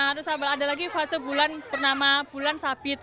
terus ada lagi fase bulan purnama bulan sabit